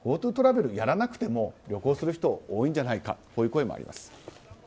ＧｏＴｏトラベルをやらなくても、旅行する人は多いのではないかという声もあります。